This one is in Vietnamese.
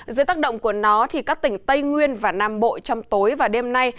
dưới tác động của nó thì các tỉnh tây nguyên và nam bộ trong tối và đêm nay